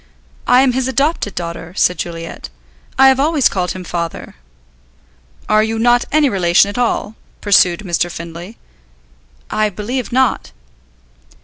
"I am his adopted daughter," said Juliet. "I have always called him 'Father.'" "Are you not any relation at all?" pursued Mr. Findlay. "I believe not."